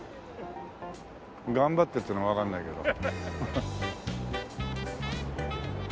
頑張ってっていうのかわかんないけど。